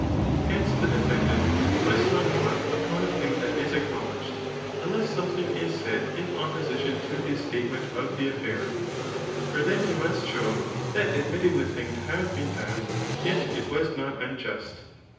Hence, the defendant must not dwell upon a thing that is acknowledged, unless something is said ia <^)position to his statement of the affair. For then be must show, that admitting the thing to have been don^ yet it was not unjust.